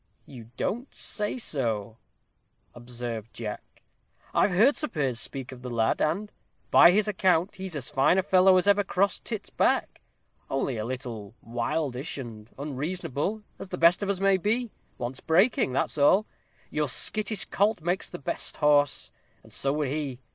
"You don't say so?" observed Jack. "I've heard Sir Piers speak of the lad; and, by his account, he's as fine a fellow as ever crossed tit's back; only a little wildish and unreasonable, as the best of us may be; wants breaking, that's all. Your skittish colt makes the best horse, and so would he.